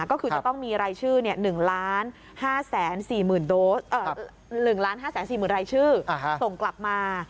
ก็คือจะต้องมีรายชื่อ๑๕๔๑๕๔๐๐๐รายชื่อส่งกลับมา